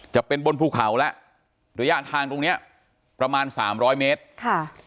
จะเป็นบนภูเขาแล้วระยะทางตรงเนี้ยประมาณสามร้อยเมตรค่ะ